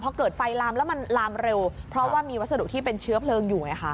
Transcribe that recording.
พอเกิดไฟลามแล้วมันลามเร็วเพราะว่ามีวัสดุที่เป็นเชื้อเพลิงอยู่ไงคะ